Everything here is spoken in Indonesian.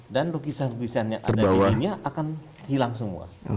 dan lukisan lukisan yang ada di dindingnya akan hilang semua